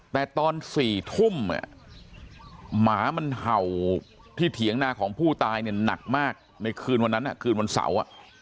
แต่ตอน๔ทุ่มหมามันเห่าที่เถียงนาของผู้ตายเนี่ยหนักมากในคืนวันนั้นคืนวันเสาร์